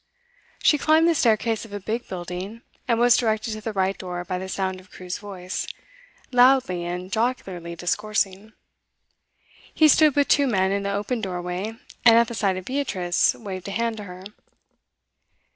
She climbed the staircase of a big building, and was directed to the right door by the sound of Crewe's voice, loudly and jocularly discoursing. He stood with two men in the open doorway, and at the sight of Beatrice waved a hand to her.